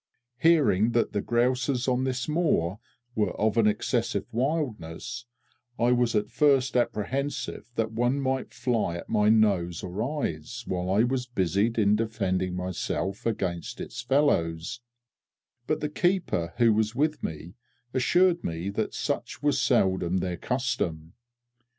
Hearing that the grouses on this moor were of an excessive wildness, I was at first apprehensive that one might fly at my nose or eyes while I was busied in defending myself against its fellows, but the keeper who was with me assured me that such was seldom their custom.